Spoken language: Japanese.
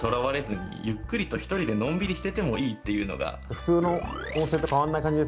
普通の温泉と変わらない感じですね。